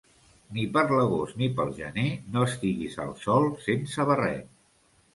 Ni per l'agost ni pel gener no estiguis al sol sense barret.